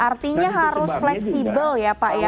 artinya harus fleksibel ya pak ya